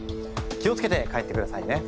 気を付けて帰ってくださいね。